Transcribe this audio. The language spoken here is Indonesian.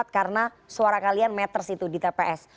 karena suara kalian matters itu di tps